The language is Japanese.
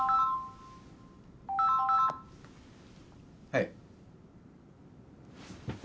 はい。